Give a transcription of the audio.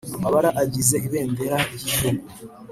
amabara agize Ibendera ry Igihugu